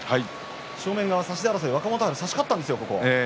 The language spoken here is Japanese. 正面側差し手争い若元春差し勝ったんですが。